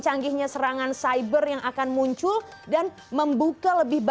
apa yang terjadi